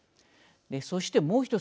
そして、もう１つ。